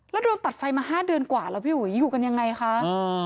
แล้วโดนตัดไฟมา๕เดือนกว่าอยู่กันอย่างไรคะ